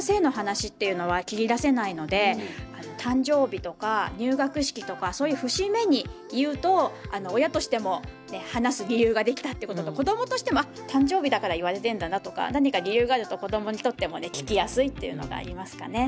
誕生日とか入学式とかそういう節目に言うと親としても話す理由ができたってことと子どもとしてもあ誕生日だから言われてんだなとか何か理由があると子どもにとってもね聞きやすいというのがありますかね。